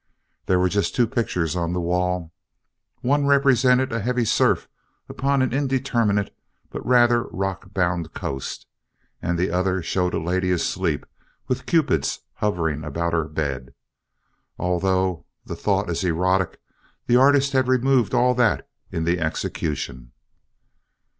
There were just two pictures on the wall. One represented a heavy surf upon an indeterminate but rather rockbound coast and the other showed a lady asleep with cupids hovering about her bed. Although the thought is erotic the artist had removed all that in the execution.